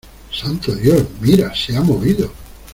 ¡ santo Dios! mira, se ha movido.